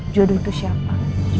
jodoh itu siapa